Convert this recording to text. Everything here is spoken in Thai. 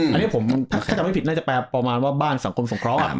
อันนี้ผมถ้าจำไม่ผิดน่าจะแปลประมาณว่าบ้านสังคมสงเคราะห์